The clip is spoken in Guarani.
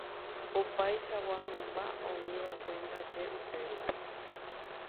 Opaichagua mymba oĩva'ekue ndaje upérupi.